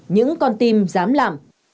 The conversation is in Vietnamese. những con tim dám làm